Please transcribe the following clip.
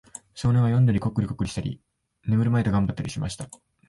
少年は読んだり、コックリコックリしたり、眠るまいと頑張ったりしました。